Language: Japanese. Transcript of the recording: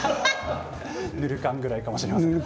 ぬるかんくらいかもしれません。